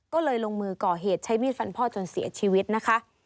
ก็เลยลงมือก่อเหตุใช้มีดฟันพ่อจนเสียชีวิตนะคะ